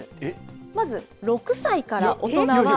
まず、６歳から大人は。